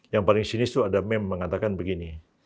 yang paling sinis itu ada meme mengatakan begini